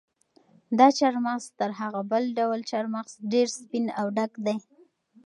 دا چهارمغز تر هغه بل ډول چهارمغز ډېر سپین او ډک دي.